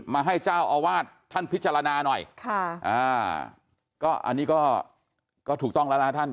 มาให้เจ้าอวาดท่านพิจารณาหน่อยอันนี้ก็ถูกต้องแล้วนะท่าน